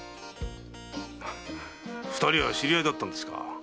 二人は知り合いだったんですか。